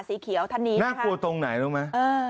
สีเขียวท่านนี้น่ากลัวตรงไหนรู้ไหม